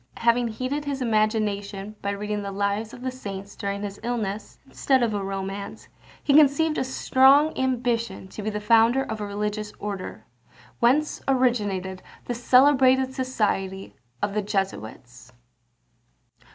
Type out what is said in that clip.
Having heated his imagination by reading the Lives of the Saints during his illness, instead of a romance, he conceived a strong ambition to be the founder of a religious order; whence originated the celebrated society of the Jesuits.